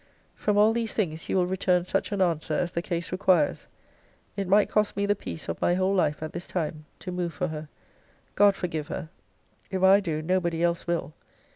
From all these things you will return such an answer as the case requires. It might cost me the peace of my whole life, at this time, to move for her. God forgive her! If I do, nobody else will.